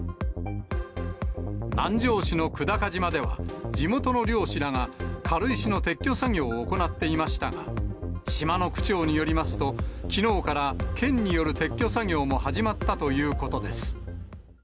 南城市の久高島では、地元の漁師らが、軽石の撤去作業を行っていましたが、島の区長によりますと、きのうから、県による撤去作業も始まったということです。